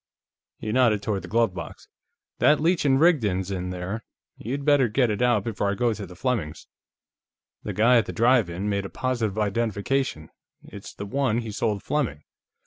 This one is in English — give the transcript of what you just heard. He nodded toward the glove box. "That Leech & Rigdon's in there; you'd better get it out before I go to the Flemings'. The guy at the drive in made a positive identification; it's the one he sold Fleming.